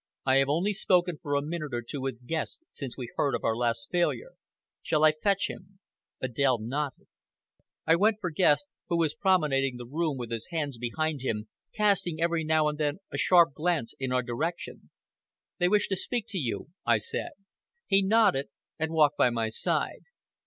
"I have only spoken for a minute or two with Guest since we heard of our last failure. Shall I fetch him?" Adèle nodded. I went for Guest, who was promenading the room with his hands behind him, casting every now and then a sharp glance in our direction. "They wish to speak to you," said. He nodded and walked by my side.